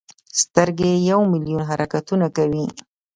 سترګې یو ملیون حرکتونه کوي.